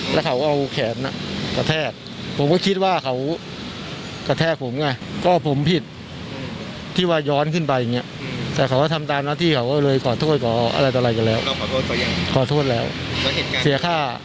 แล้วไปเย็กซะเลอะไรต่อเลยด้วย